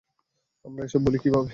আমরা এসব ভুলি কীভাবে?